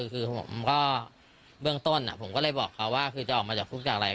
คือผมก็เบื้องต้นผมก็เลยบอกเขาว่าคือจะออกมาจากคุกจากอะไร